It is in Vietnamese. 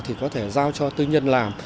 thì có thể giao cho tư nhân làm